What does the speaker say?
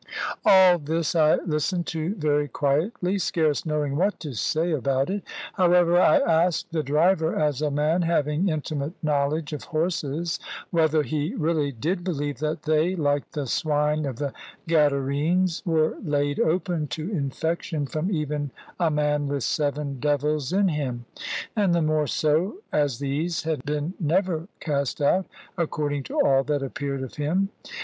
All this I listened to very quietly, scarce knowing what to say about it. However, I asked the driver, as a man having intimate knowledge of horses, whether he really did believe that they (like the swine of the Gadarenes) were laid open to infection from even a man with seven devils in him; and the more so as these had been never cast out, according to all that appeared of him.